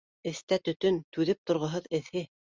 Эстә төтөн, түҙеп торғоһоҙ эҫе